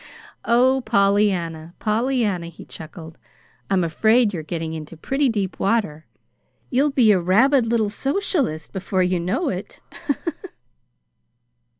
"Oh, Pollyanna, Pollyanna," he chuckled; "I'm afraid you're getting into pretty deep water. You'll be a rabid little socialist before you know it."